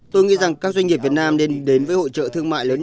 tôi nghĩ rằng các doanh nghiệp việt nam nên đến với hội trợ thương mại lớn nhất